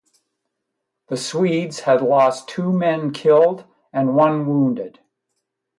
The Swedes had lost two men killed and one wounded.